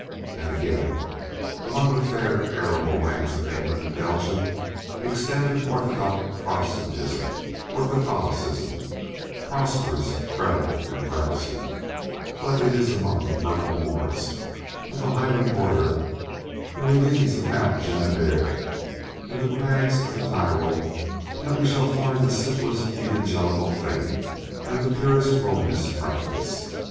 And again: "Among the fair arable lands of England and Belgium extends an orthodox Protestantism or Catholicism—prosperous, creditable and drowsy; but it is among the purple moors of the highland border, the ravines of Mount Genévre, and the crags of the Tyrol, that we shall find the simplest evangelical faith and the purest Romanist practice."